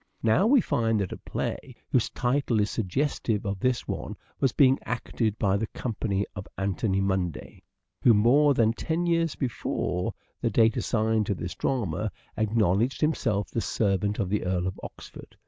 Now we find that a play whose title is suggestive of this one was being acted by the company of Antony Munday, who more than ten years before the date assigned to this drama, acknow ledged himself the servant of the Earl of Oxford.